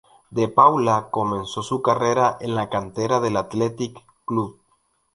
De Paula comenzó su carrera en la cantera del Athletic Club.